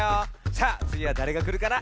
さあつぎはだれがくるかな？